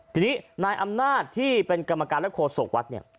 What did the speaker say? ทีนี้นายอำนาจที่เป็นกรรมการและโฆษกวัดเนี่ย